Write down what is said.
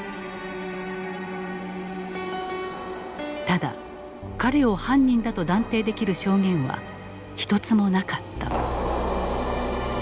ただ彼を犯人だと断定できる証言は一つもなかった。